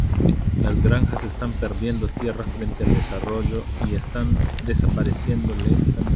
Las granjas están perdiendo tierra frente al desarrollo y están desapareciendo lentamente.